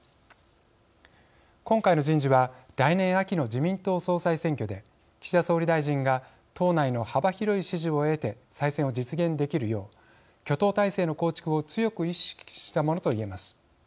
今回の人事は来年秋の自民党総裁選挙で岸田総理大臣が党内の幅広い支持を得て再選を実現できるよう挙党体制の構築を強く意識したものと言えます。